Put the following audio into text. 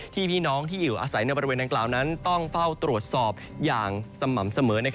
พี่น้องที่อยู่อาศัยในบริเวณดังกล่าวนั้นต้องเฝ้าตรวจสอบอย่างสม่ำเสมอ